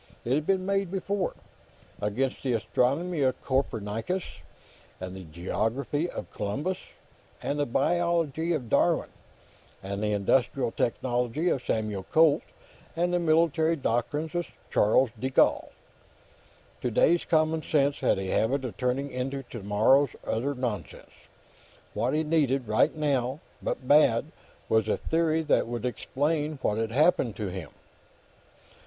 It had been made before: against the astronomy of Copernicus, and the geography of Columbus, and the biology of Darwin, and the industrial technology of Samuel Colt, and the military doctrines of Charles de Gaulle. Today's common sense had a habit of turning into tomorrow's utter nonsense. What he needed, right now, but bad, was a theory that would explain what had happened to him.